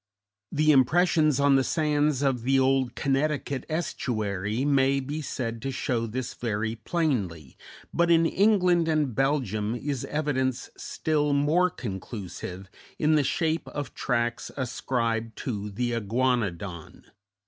The impressions on the sands of the old Connecticut estuary may be said to show this very plainly, but in England and Belgium is evidence still more conclusive, in the shape of tracks ascribed to the Iguanodon.